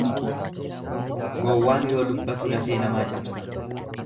Gowwaan yoo dubbatu lafee namaa cabsa.